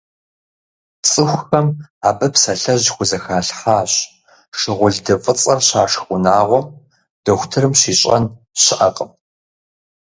ЦӀыхухэм абы псалъэжь хузэхалъхьащ: «Шыгъулды фӀыцӀэр щашх унагъуэм дохутырым щищӀэн щыӀэкъым».